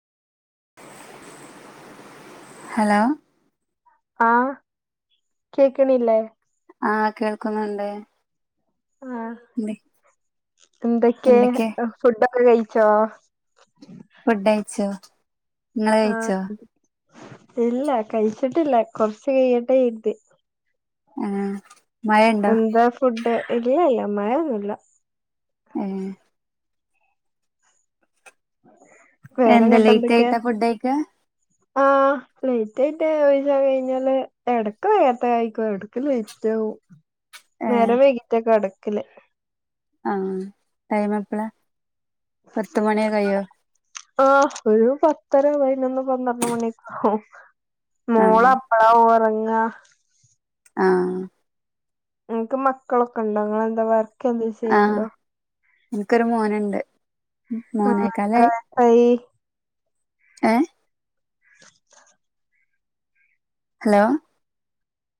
Hello ആഹ് കേക്കണില്ലേ ആഹ് കേൾക്കുന്നുണ്ട് ആഹ് എന്ത് എന്തൊക്കെ എന്തൊക്കെയാ ഫുഡ്‌ ഒക്കെ കഴിച്ചോ ഫുഡ് കഴിച്ച് നിങ്ങൾ ആഹ് കഴിച്ചോ ഇല്ല കഴിച്ചിട്ടില്ല കൊറച്ചു കയ്യട്ടെ കരുതി. ആഹ് മഴയുണ്ടോ എന്താ ഫുഡ് ഇല്ലല്ല മഴൊന്നുല്ല. ഏഹ് എന്താ ലേറ്റ് വേറെങ്ങട്ടെന്തൊക്കെ ആയിട്ടാ ഫുഡ് കഴിക്കാ ആഹ് ലേറ്റായിട്ട് വെയിച്ചഴിഞ്ഞാല് എടക്ക് നേരത്തെ കഴക്കുവ ക്ക് ലേറ്റാകും ഏഹ് നേരം വൈകിറ്റാ കടക്കല് ആഹ് ടൈം എപ്പളാ പത്ത് മണി കയ്യോ ആഹ് ഒരു പത്തര പൈനൊന്ന് പന്ത്രണ്ട് മണിഒക്കെ ആകും. മോള ആഹ് പ്പളാ ഒറങ്ങാ ആആ..... ഇങ്ങ്ക്ക് മക്കളൊക്കെണ്ടോ നിങ്ങളെന്താ വർക്കന്തേലും ചെയ്യണ്ടോ? ഇൻക്കൊരു മോനുണ്ട്. മൂന്നേക്കാലായി ആഹ് [inaudible] ഏഹ് ഹലോ..